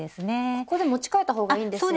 ここで持ちかえた方がいいんですよね？